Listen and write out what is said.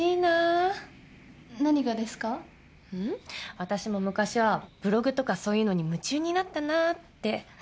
私も昔はブログとかそういうのに夢中になったなって。